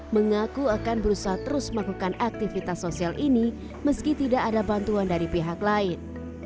mengaku akan berusaha terus melakukan aktivitas sosial ini meski tidak ada bantuan dari pihak lain